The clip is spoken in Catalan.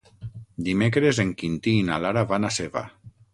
Dimecres en Quintí i na Lara van a Seva.